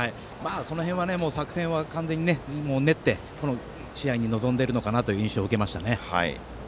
その辺は作戦は完全に練ってこの試合に臨んでいるのかなという印象を受けましたね。